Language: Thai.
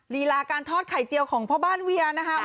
ลีลาการทอดไข่เจียวของพ่อบ้านเวียนะคะ